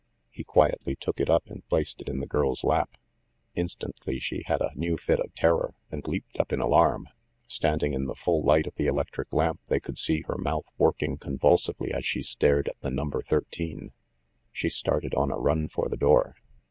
He quietly took it up and placed it in the girl's lap. Instantly she had a new fit of terror, and leaped up in alarm. Standing in the full light of the electric lamp, they could see her mouth working convulsively as she stared at the num ber 13. She started on a run for the door.